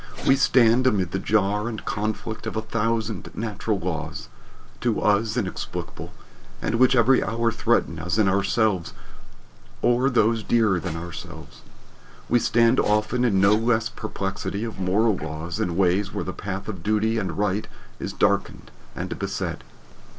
We stand amid the jar and conflict of a thousand natural laws, to us inexplicable, and which every hour threaten us in ourselves or those dearer than ourselves. We stand often in no less perplexity of moral law in ways where the path of duty and right is darkened and beset.